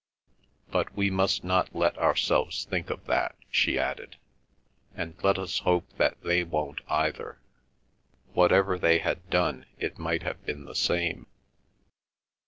"But we must not let ourselves think of that," she added, "and let us hope that they don't either. Whatever they had done it might have been the same.